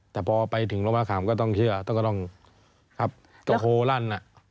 แต่พอไปถึงรถบรรคาผมก็ต้องเชื่อต้องกระโคลั่น